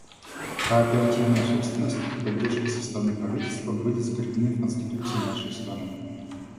Кооперативная собственность и поддержка со стороны правительства были закреплены в Конституции нашей страны.